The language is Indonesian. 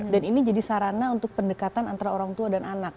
ini jadi sarana untuk pendekatan antara orang tua dan anak